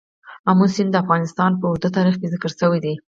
آمو سیند د افغانستان په اوږده تاریخ کې ذکر شوی دی.